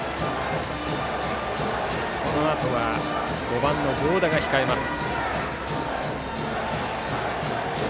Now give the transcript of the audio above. このあとは５番の合田が控えます。